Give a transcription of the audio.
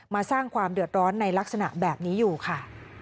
สร้างความเดือดร้อนในลักษณะแบบนี้อยู่ค่ะ